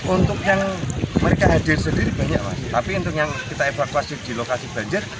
untuk yang mereka hadir sendiri banyak mas tapi untuk yang kita evakuasi di lokasi banjir